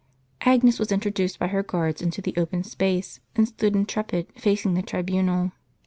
Agnes was introduced by her guards into the open space, and stood intrepid, facing the tribunal.